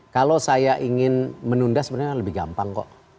kalau saya ingin menunda sebenarnya lebih gampang kok